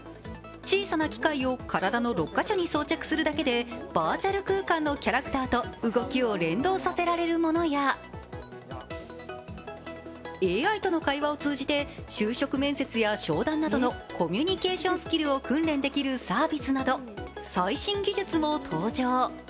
小さな機械を体の６か所に装着するだけでバーチャル空間のキャラクターと動きを連動させられるものやＡＩとの会話を通じて就職面接や商談などのコミュニケーションスキルを訓練できるサービスなど最新技術も登場。